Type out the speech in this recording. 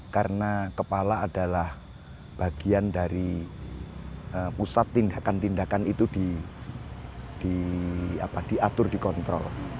karena kepala adalah bagian dari pusat tindakan tindakan itu diatur dikontrol